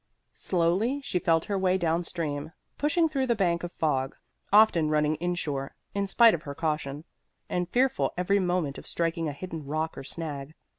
Slowly she felt her way down stream, pushing through the bank of fog, often running in shore in spite of her caution, and fearful every moment of striking a hidden rock or snag.